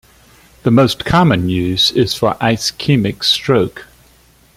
The most common use is for ischemic stroke.